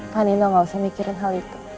pak nino gak usah mikirin hal itu